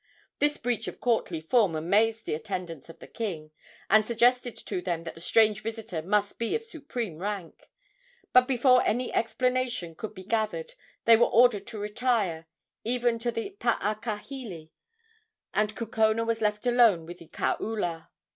This breach of courtly form amazed the attendants of the king, and suggested to them that the strange visitor must be of supreme rank; but before any explanation could be gathered they were ordered to retire, even to the paakahili, and Kukona was left alone with the kaula.